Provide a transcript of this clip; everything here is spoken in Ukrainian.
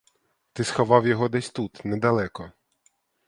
Ти сховав його десь тут недалеко.